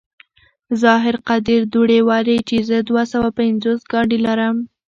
ظاهر قدير دوړې ولي چې زه دوه سوه پينځوس ګاډي لرم.